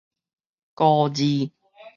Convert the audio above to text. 孤字